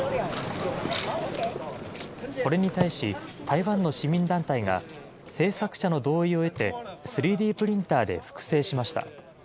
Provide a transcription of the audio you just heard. これに対し、台湾の市民団体が、制作者の同意を得て、３Ｄプリンターで複製しました。